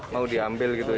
mau diambil gitu ya